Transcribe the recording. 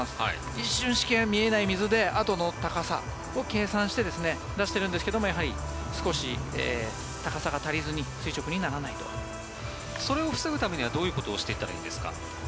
一瞬しか見えない水であとの高さを計算して出しているんですけど少し高さが足りずにそれを防ぐためにはどういうことをしたらいいんですか？